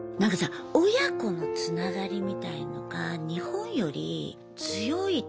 親子のつながりみたいのが日本より強い気がして。